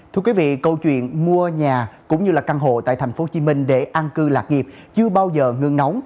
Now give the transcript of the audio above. thưa quý vị câu chuyện mua nhà cũng như là căn hộ tại tp hcm để an cư lạc nghiệp chưa bao giờ ngưng nóng